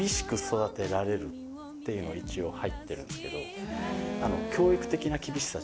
ていうのが一応入ってるんですけど。